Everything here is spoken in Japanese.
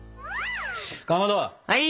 かまど！